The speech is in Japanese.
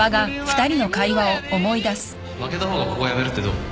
負けた方がここを辞めるってどう？